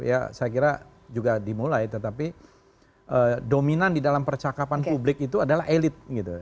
ya saya kira juga dimulai tetapi dominan di dalam percakapan publik itu adalah elit gitu